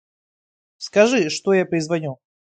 Скажи, что я перезвоню.